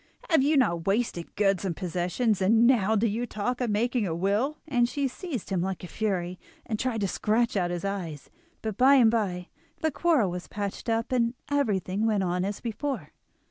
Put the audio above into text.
have you not wasted goods and possessions, and now do you talk of making a will?" And she seized him like a fury, and tried to scratch out his eyes. But by and by the quarrel was patched up, and everything went on as before.